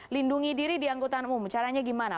lindungi diri di angkutan umum caranya gimana